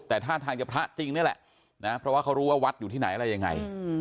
แต่ท่าทางจะพระจริงนี่แหละนะเพราะว่าเขารู้ว่าวัดอยู่ที่ไหนอะไรยังไง